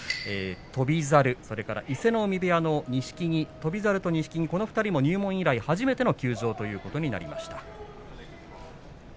翔猿、それから伊勢ノ海部屋の翔猿と錦木入門以来、初めての休場ということになります。